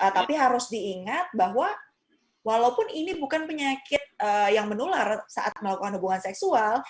tapi harus diingat bahwa walaupun ini bukan penyakit yang menular saat melakukan hubungan seksual